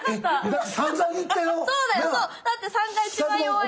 だって３が一番弱い。